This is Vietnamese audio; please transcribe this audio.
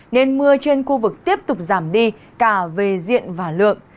nên mưa trên khu vực tiếp tục giảm đi cả về diện và lượng